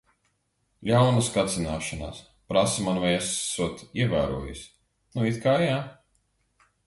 Ļaunas kacināšanās. Prasa man, vai es esot ievērojusi. Nu, it kā jā.